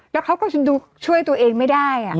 แล้วเขาก็ยังดูช่วยตัวเองไม่ได้